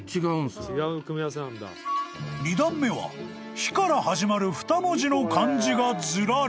［「火」から始まる２文字の漢字がずらり］